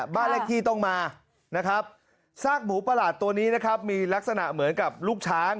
บ้านแรกที่ต้องมาซากหมูประหลาดตัวนี้มีลักษณะเหมือนกับลูกช้าง